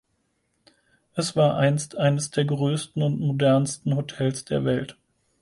Es war einst eines der grössten und modernsten Hotels der Welt.